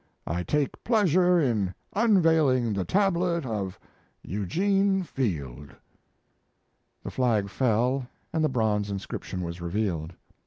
I take pleasure in unveiling the tablet of Eugene Field." The flag fell and the bronze inscription was revealed.